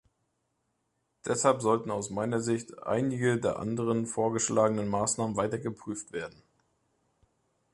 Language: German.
Deshalb sollten aus meiner Sicht einige der anderen vorgeschlagenen Maßnahmen weiter geprüft werden.